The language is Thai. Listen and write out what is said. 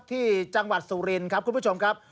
ที่จังหวัดสุรินครับคุณผู้ชมครับ